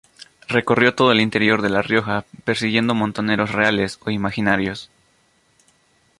Recorrió todo el interior de La Rioja persiguiendo montoneros reales o imaginarios.